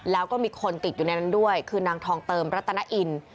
แล้วก็มีคนติดอยู่ในนั้นด้วยคือนางทองเติมรัตนอิน